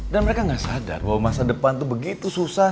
dan mereka gak sadar bahwa masa depan itu begitu susah